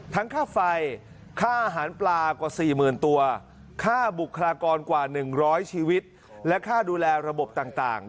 ค่าไฟค่าอาหารปลากว่า๔๐๐๐ตัวค่าบุคลากรกว่า๑๐๐ชีวิตและค่าดูแลระบบต่าง